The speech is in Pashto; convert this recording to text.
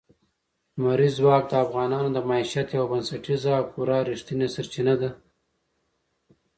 لمریز ځواک د افغانانو د معیشت یوه بنسټیزه او پوره رښتینې سرچینه ده.